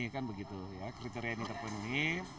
kan begitu ya kriteria ini terpenuhi